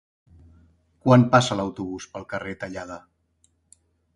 Quan passa l'autobús pel carrer Tallada?